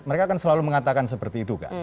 mereka kan selalu mengatakan seperti itu kak